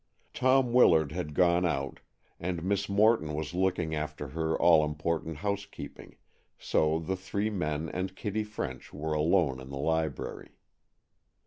Tom Willard had gone out, and Miss Morton was looking after her all important housekeeping, so the three men and Kitty French were alone in the library.